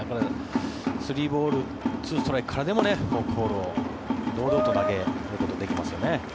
３ボール２ストライクからでもフォークボールを堂々と投げることができますよね。